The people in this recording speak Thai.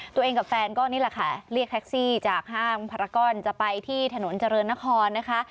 ตัวเองกับแฟนก็นี่แหละค่ะเรียกแท็กซี่จากห้างพารากรจะไปที่ถนนเจริญนครนะคะ